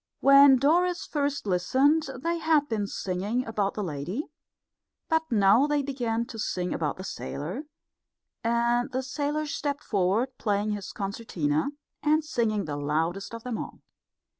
When Doris first listened they had been singing about the lady, but now they began to sing about the sailor, and the sailor stepped forward, playing his concertina, and singing the loudest of them all.